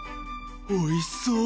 おいしそう。